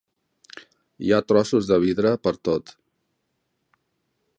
Hi ha trossos de vidre pertot.